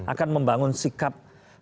akan membangun sikap